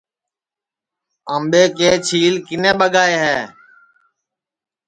آمٻے کے چھیل کِنے ٻگائے ہے